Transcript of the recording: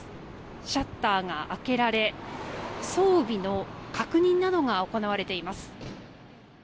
シャッターが開けられ装備の確認などが行われています。